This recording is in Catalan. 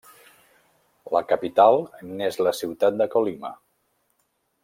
La capital n'és la ciutat de Colima.